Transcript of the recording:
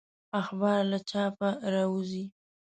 اخبار له چاپه راووزي.